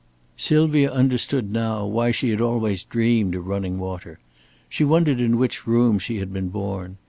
Sylvia understood now why she had always dreamed of running water. She wondered in which room she had been born.